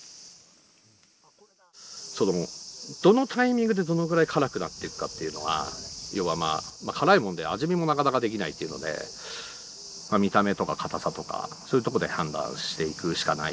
どのタイミングでどのぐらい辛くなっていくかっていうのが要は辛いもんで味見もなかなかできないっていうので見た目とかかたさとかそういうとこで判断していくしかない。